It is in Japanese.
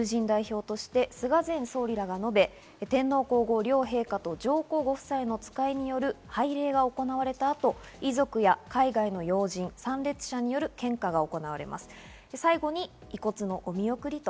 さらに追悼の辞を葬儀委員長の岸田総理や友人代表として菅前総理らが述べ、天皇皇后両陛下と上皇ご夫妻の使いによる拝礼が行われたあと、遺族や海外の要人、参列者による献花が行われます。